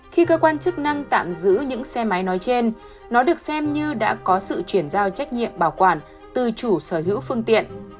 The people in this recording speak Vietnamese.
khi cơ quan chức năng tạm giữ những xe máy nói trên nó được xem như đã có sự chuyển giao trách nhiệm bảo quản từ chủ sở hữu phương tiện